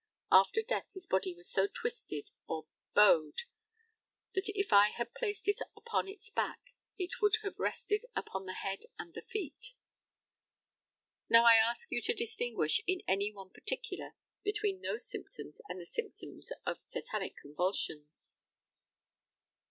After death his body was so twisted or bowed, that if I had placed it upon its back it would have rested upon the head and the feet. Now, I ask you to distinguish in any one particular between those symptoms and the symptoms of tetanic convulsions?